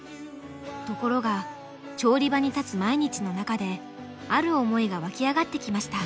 ところが調理場に立つ毎日の中である思いが湧き上がってきました。